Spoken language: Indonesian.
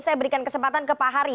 saya berikan kesempatan ke pak hari